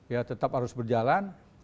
ya tetap harus berjalan